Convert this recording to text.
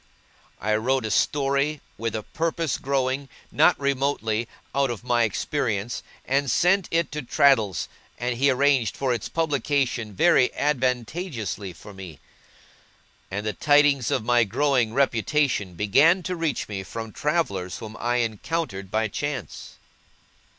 I wrote a Story, with a purpose growing, not remotely, out of my experience, and sent it to Traddles, and he arranged for its publication very advantageously for me; and the tidings of my growing reputation began to reach me from travellers whom I encountered by chance.